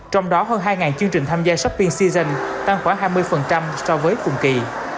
trong đó hơn hai chương trình tham gia shopping season tăng khoảng hai mươi so với cùng kỳ